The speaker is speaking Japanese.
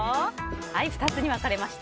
２つに分かれました。